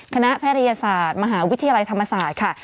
แพทยศาสตร์มหาวิทยาลัยธรรมศาสตร์ค่ะ